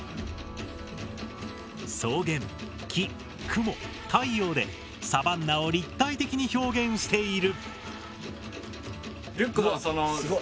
草原木雲太陽でサバンナを立体的に表現している。